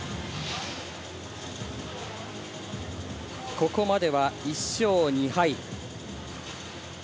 ここまでは１勝２敗。